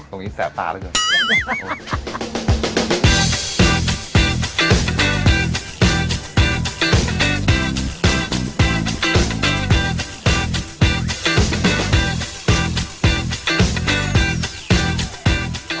ตรงนี้แสบตาด้วยก่อน